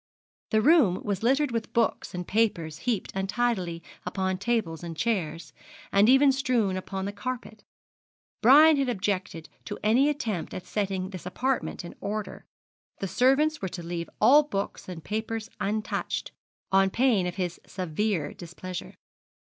The room was littered with books and papers heaped untidily upon tables and chairs, and even strewn upon the carpet. Brian had objected to any attempt at setting this apartment in order the servants were to leave all books and papers untouched, on pain of his severe displeasure.